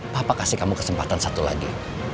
papa kasih kamu kesempatan satu lagi